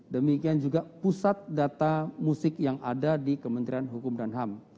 demikian juga pusat data musik yang ada di kementerian hukum dan ham